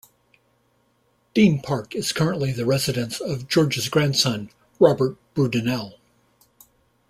Deene Park is currently the residence of George's grandson Robert Brudenell.